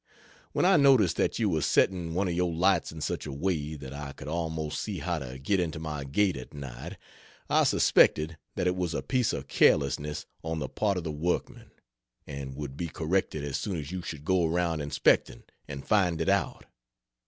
When I noticed that you were setting one of your lights in such a way that I could almost see how to get into my gate at night, I suspected that it was a piece of carelessness on the part of the workmen, and would be corrected as soon as you should go around inspecting and find it out.